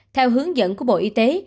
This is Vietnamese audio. theo hướng dẫn của bộ y tế